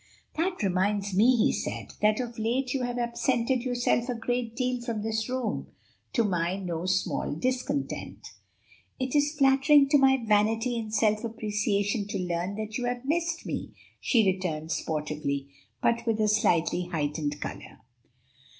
"That reminds me," he said, "that of late you have absented yourself a great deal from this room; to my no small discontent." "It is flattering to my vanity and self appreciation to learn that you have missed me," she returned sportively, but with a slightly heightened color.